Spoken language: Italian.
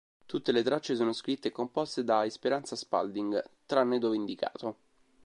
Tutte le tracce sono scritte e composte da Esperanza Spalding, tranne dove indicato.